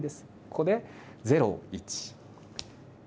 ここで０１、０２。